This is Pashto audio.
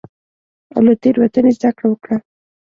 او له تېروتنې زدکړه وکړه.